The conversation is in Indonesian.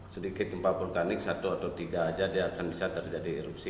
sedikit gempa vulkanik satu atau tiga aja dia akan bisa terjadi erupsi